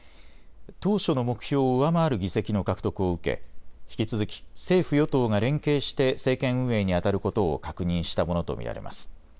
当初の目標を上回る議席の獲得を受け、引き続き政府与党が連携して政権運営にあたることを確認したものと見られます。